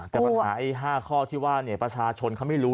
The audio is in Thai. แต่ปัญหา๕ข้อที่ว่าประชาชนเขาไม่รู้